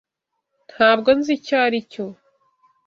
Ntabwo nzi icyo aricyo.